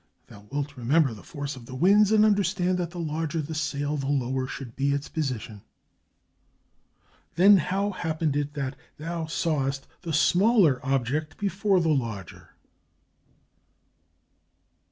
Thou wilt remember the force of the winds, and understand that the larger the sail the lower should be its position." "Then how happened it that thou sawest the smaller object before the larger?"